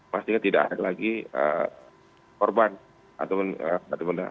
pastikan tidak ada lagi korban atau benda